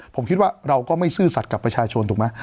ผมคิดว่าเราก็ไม่ซื่อสัตว์กับประชาชนถูกไหม